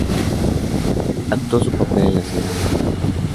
Actuó su papel en la segunda temporada.